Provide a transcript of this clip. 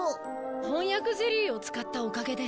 翻訳ゼリーを使ったおかげです。